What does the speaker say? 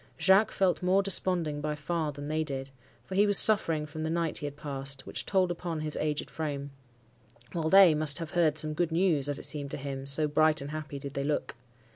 Jacques felt more desponding by far than they did, for he was suffering from the night he had passed, which told upon his aged frame; while they must have heard some good news, as it seemed to him, so bright and happy did they look.